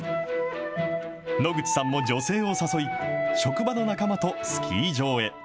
野口さんも女性を誘い、職場の仲間とスキー場へ。